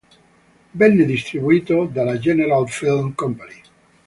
Venne distribuito dalla General Film Company.